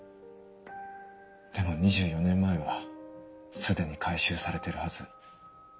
でも２４年前はすでに改修されてるはず。